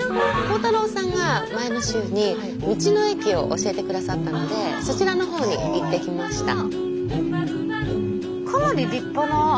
浩太朗さんが前の週に道の駅を教えて下さったのでそちらの方に行ってきました。